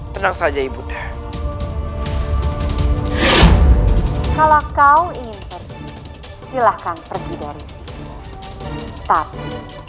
tenang saja ibu undang kalau kau ingin pergi silahkan pergi dari sini